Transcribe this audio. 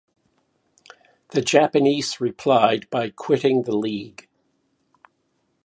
The Japanese replied by quitting the League.